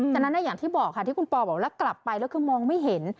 จากนั้นอย่างที่บอกค่ะที่คุณปอบอกแล้วกลับไปแล้วคือมองไม่เห็น